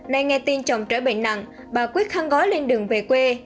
nay nghe tin chồng trở bệnh nặng bà quyết khăn gói lên đường về quê